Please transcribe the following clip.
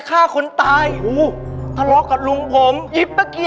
ไม่มีอะไรของเราเล่าส่วนฟังครับพี่